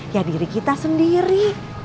ya diri kita sendiri